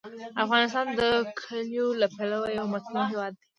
افغانستان د کلیو له پلوه یو متنوع هېواد دی.